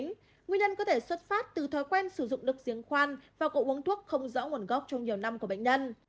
nguyên nhân có thể xuất phát từ thói quen sử dụng được giếng khoan và cậu uống thuốc không rõ nguồn gốc trong nhiều năm của bệnh nhân